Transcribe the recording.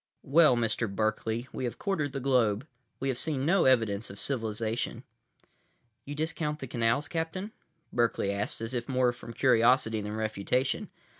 "Well, Mr. Berkeley, we have quartered the globe. We have seen no evidence of civilization." "You discount the canals, Captain?" Berkeley asked, as if more from curiosity than refutation.